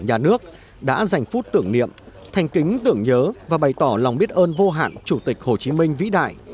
nhà nước đã dành phút tưởng niệm thành kính tưởng nhớ và bày tỏ lòng biết ơn vô hạn chủ tịch hồ chí minh vĩ đại